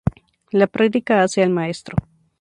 La práctica hace al maestro